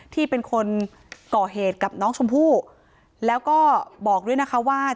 ที่เป็นคนก่อเหตุกับน้องชมพู่แล้วก็บอกด้วยนะคะว่า